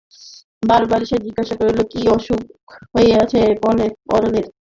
বারবার সে জিজ্ঞাসা করিল কী অসুখ হইয়াছে পরনের।